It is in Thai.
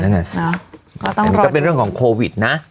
อันนี้ก็เป็นเรื่องของโควิดนะ